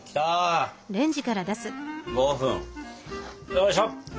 よいしょ！